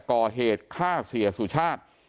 ก่อเหตุฆ่าเสียสุชาติ